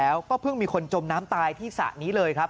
แล้วก็เพิ่งมีคนจมน้ำตายที่สระนี้เลยครับ